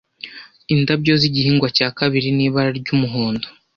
Indabyo z'igihingwa cya kariri ni ibara ry'umuhondo